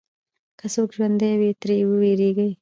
که څوک ژوندی وي، ترې وېرېږي.